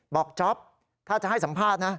จ๊อปถ้าจะให้สัมภาษณ์นะ